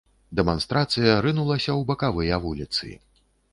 Дэманстрацыя рынулася ў бакавыя вуліцы.